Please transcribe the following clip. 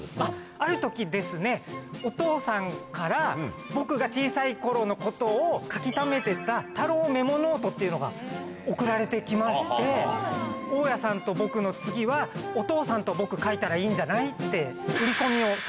あるときですね、お父さんから、僕が小さいころのことを書きためていた、たろうメモノートっていうのが送られてきまして、大家さんと僕の次は、お父さんと僕、描いたらいいんじゃない？って。